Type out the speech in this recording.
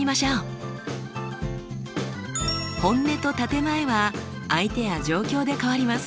本音と建て前は相手や状況で変わります。